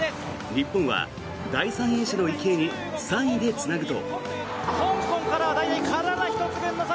日本は第３泳者の池江に３位でつなぐと。